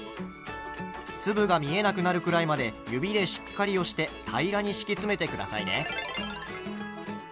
粒が見えなくなるくらいまで指でしっかり押して平らに敷き詰めて下さいね。